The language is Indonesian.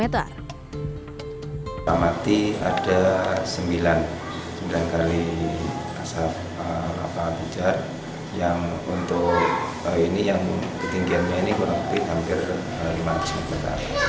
setelah mati ada sembilan kali kasar lava pijar yang untuk ketinggiannya ini kurang lebih lima ratus meter